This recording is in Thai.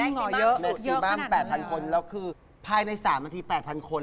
สิบห้าม๘๐๐๐คนแล้วคือภายใน๓นาที๘๐๐๐คน